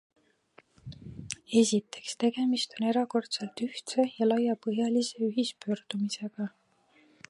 Esiteks tegemist on erakordselt ühtse ja laiapõhjalise ühispöördumisega.